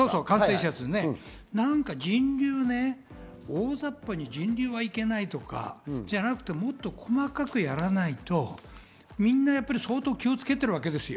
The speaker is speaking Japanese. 大ざっぱに人流はいけないとかじゃなくてもっと細かくやらないとみんな相当気をつけてるわけですよ。